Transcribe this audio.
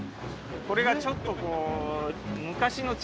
これがちょっとこう。